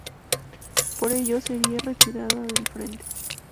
Por ello, sería retirada del frente.